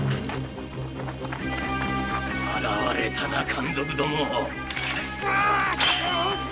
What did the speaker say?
現れたな奸賊ども！